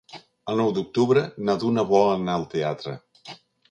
El nou d'octubre na Duna vol anar al teatre.